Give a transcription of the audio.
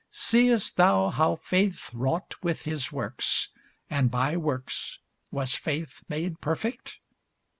Seest thou how faith wrought with his works, and by works was faith made perfect?